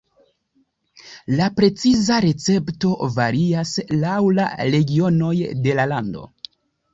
La preciza recepto varias laŭ la regionoj de la lando.